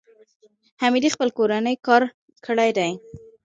حمیدې خپل کورنی کار کړی دی.